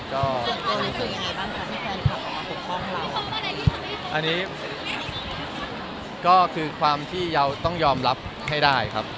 ก็คืออันนี้ก็คือความที่เราต้องยอมรับให้ได้ครับ